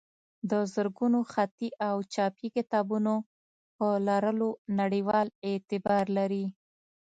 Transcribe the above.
د زرګونو خطي او چاپي کتابونو په لرلو نړیوال اعتبار لري.